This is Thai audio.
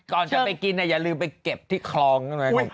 ก่อนจะไปกินน่ะอย่าลืมไปเก็บที่คลอง